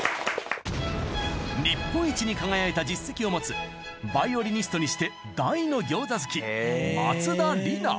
日本一に輝いた実績を持つヴァイオリニストにして大の餃子好き松田理奈